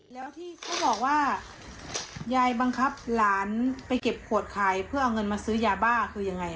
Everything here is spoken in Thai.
แล้วที่เขาบอกว่ายายบังคับหลานไปเก็บขวดขายเพื่อเอาเงินมาซื้อยาบ้าคือยังไง